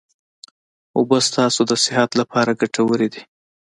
اوبه ستاسو د صحت لپاره ګټوري دي